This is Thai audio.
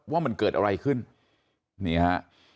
ว่ามันเกิดอะไรขึ้นนี่ฮะ